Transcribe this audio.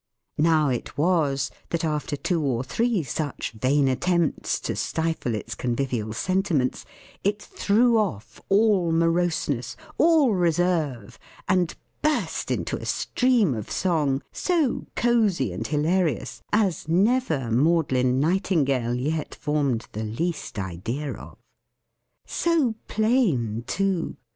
Now it was, that after two or three such vain attempts to stifle its convivial sentiments, it threw off all moroseness, all reserve, and burst into a stream of song so cosy and hilarious, as never maudlin nightingale yet formed the least idea of. So plain, too!